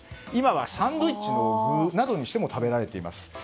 今はサンドイッチの具として食べられています。